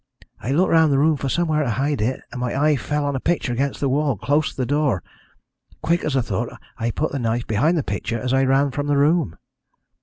I looked round the room for somewhere to hide it, and my eye fell on a picture against the wall, close to the door. Quick as thought I put the knife behind the picture as I ran from the room.